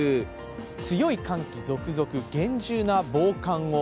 強い寒気続々、厳重な防寒を。